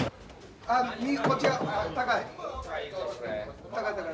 右こっちが高い。